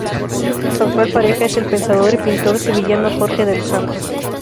Su actual pareja es el pensador y pintor sevillano Jorge de los Santos.